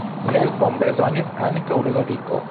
Helpon bezonis ankaŭ Ludoviko.